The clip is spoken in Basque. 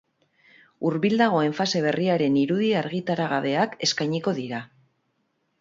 Hurbil dagoen fase berriaren irudi argitaragabeak eskainiko dira.